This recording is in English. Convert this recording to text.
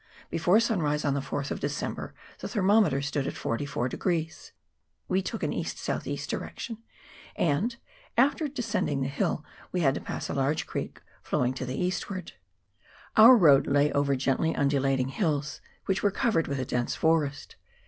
Before sunrise on the 4th of December the ther mometer stood at 44. We took an east south east direction, and after descending the hill we had to pass a large creek flowing to the eastward. Our road lay over gently undulating hills, which were covered with a dense forest.